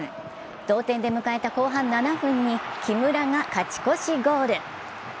同点で迎えた後半７分に木村が勝ち越しゴール。